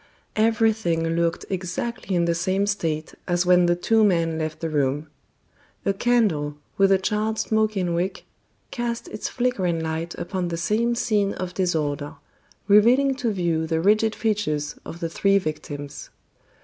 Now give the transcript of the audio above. Everything looked exactly in the same state as when the two men left the room. A candle, with a charred smoking wick, cast its flickering light upon the same scene of disorder, revealing to view the rigid features of the three victims.